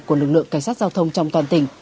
của lực lượng cảnh sát giao thông trong toàn tỉnh